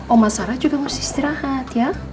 oma sarah juga harus istirahat ya